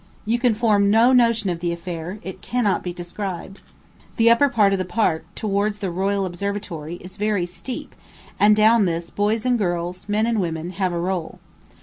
You can form no notion of the affair; it cannot be described. The upper part of the Park, towards the Royal Observatory, is very steep, and down this boys and girls, men and women, have a roll.